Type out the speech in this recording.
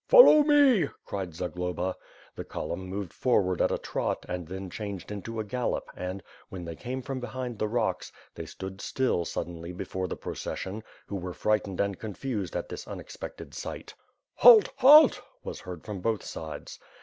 "Follow me!" cried Zagloba. The column moved forward at a trot and then changed into a gallop and, when they came from behind the rocks, they stood still suddenly before the procession, who were frightened and confused at this un exnected sifirht "Halt! Halt!" was heard from .both sides.